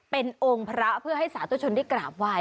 เป็นองค์พระเพื่อให้สาธุชนได้กราบไหว้